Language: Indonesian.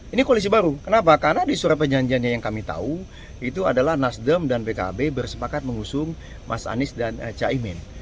ini koalisi baru kenapa karena di surat perjanjiannya yang kami tahu itu adalah nasdem dan pkb bersepakat mengusung mas anies dan caimin